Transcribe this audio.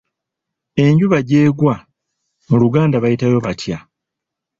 Enjuba gy'egwa mu Luganda bayitayo batya?